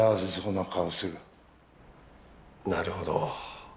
なるほど。